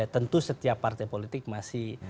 tentu setiap partai politik masih